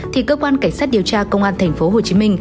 thì cơ quan cảnh sát điều tra công an tp hcm